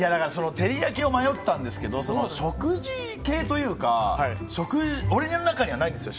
てりやきを迷ったんですけど食事系というか俺の中にはないんですよ。